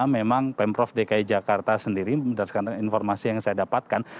memang pemprov dki jakarta sendiri berdasarkan informasi yang saya dapatkan